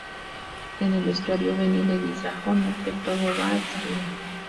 En el vestuario, Benny le dice a Honey que todo va a estar bien.